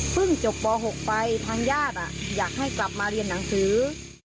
จบป๖ไปทางญาติอยากให้กลับมาเรียนหนังสือ